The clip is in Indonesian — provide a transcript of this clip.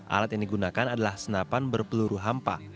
alat yang digunakan adalah senapan berpeluru hampa